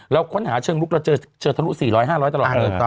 เราค้นหาเชิงลุกเจอเฉินธนุษย์๔๐๐๕๐๐ตลอด